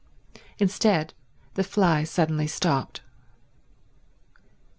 Instead the fly suddenly stopped.